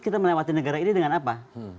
kita melewati negara ini dengan apa